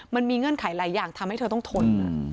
เงื่อนไขหลายอย่างทำให้เธอต้องทน